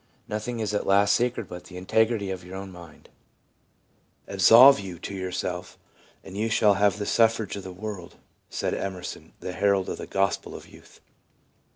Nothing is at last sacred but the integrity of your own mind. Absolve you to yourself, and you shall have the suffrage of the world/ said Emerson, the herald of the gospel of youth.